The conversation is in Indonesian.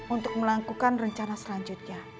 untuk melakukan rencana selanjutnya